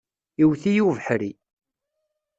Iwet-iyi ubeḥri.